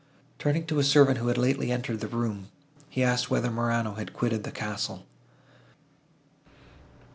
Turning to a servant who had lately entered the room, he asked whether Morano had quitted the castle.